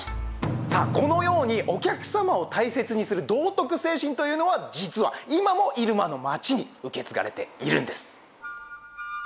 さあこのようにお客様を大切にする道徳精神というのは実は今も入間の町に受け継がれているんです。